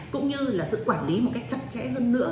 cũng như là sự quản lý một cách chặt chẽ hơn nữa